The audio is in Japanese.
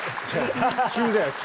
急だよ急。